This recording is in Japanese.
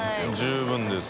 十分です。